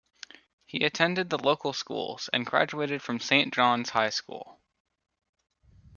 He attended the local schools and graduated from Saint John's high school.